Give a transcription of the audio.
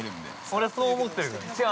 ◆俺、そう思ってるから。